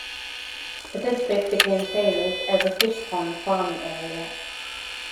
The district became famous as a fish pond farming area.